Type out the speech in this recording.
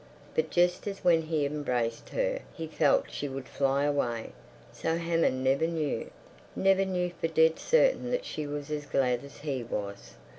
But just as when he embraced her he felt she would fly away, so Hammond never knew—never knew for dead certain that she was as glad as he was.